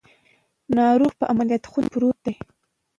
ناروغ په عملیاتو خونه کې پروت دی.